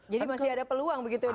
jadi masih ada peluang begitu ya